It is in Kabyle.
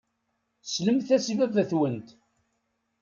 Slemt-as i baba-twent.